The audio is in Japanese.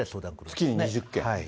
月に２０件。